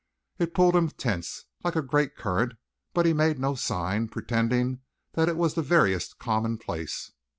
It pulled him tense, like a great current; but he made no sign, pretending that it was the veriest commonplace.